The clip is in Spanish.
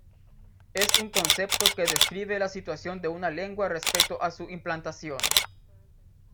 Es un concepto que describe la situación de una lengua respecto a su implantación.